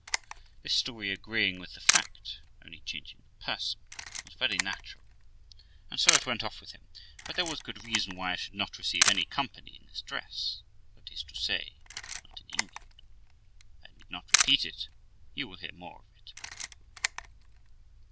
This story agreeing with the fact, only changing the person, was very natural, and so it went off with him; but there was good reason why I should not receive any company in this dress that is to say, not in England. I need not repeat it; you will hear more of it.